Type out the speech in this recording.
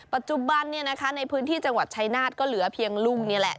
ปัจจุบันในพื้นที่จังหวัดชายนาฏก็เหลือเพียงลุงนี่แหละ